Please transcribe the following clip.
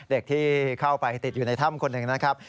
เด็กที่เข้าไปติดอยู่ในถ้ำคนหนึ่งนะครับ